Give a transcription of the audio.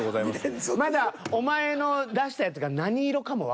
まだお前の出したやつが何色かもわからん。